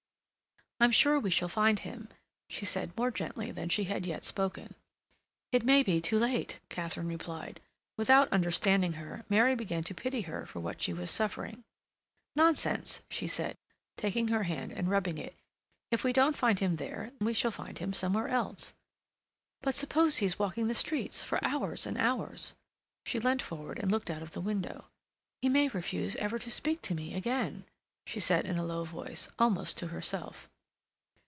"I'm sure we shall find him," she said more gently than she had yet spoken. "It may be too late," Katharine replied. Without understanding her, Mary began to pity her for what she was suffering. "Nonsense," she said, taking her hand and rubbing it. "If we don't find him there we shall find him somewhere else." "But suppose he's walking about the streets—for hours and hours?" She leant forward and looked out of the window. "He may refuse ever to speak to me again," she said in a low voice, almost to herself.